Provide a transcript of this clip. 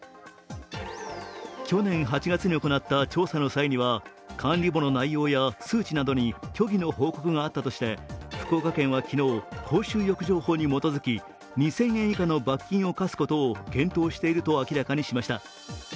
去年８月に行った調査の際には管理簿の内容や数値などに虚偽の報告があったとして、福岡県は昨日、公衆浴場法に基づき２０００円以下の罰金を科すことを検討していると明らかにしました。